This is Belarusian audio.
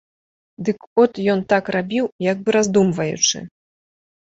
Дык от ён так рабіў, як бы раздумваючы.